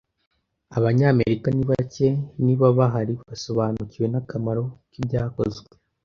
Abanyamerika ni bake, niba bahari, basobanukiwe n'akamaro k'ibyakozwe